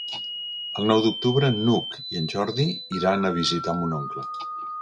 El nou d'octubre n'Hug i en Jordi iran a visitar mon oncle.